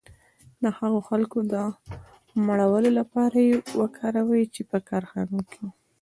د هغو خلکو د مړولو لپاره یې وکاروي چې په کارخانو کې وو